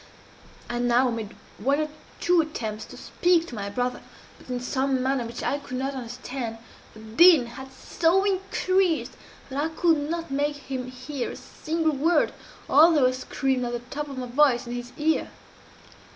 "I now made one or two attempts to speak to my brother but, in some manner which I could not understand, the din had so increased that I could not make him hear a single word, although I screamed at the top of my voice in his ear.